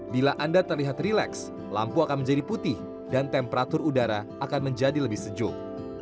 bila anda terlihat rileks lampu akan menjadi putih dan temperatur udara akan menjadi lebih sejuk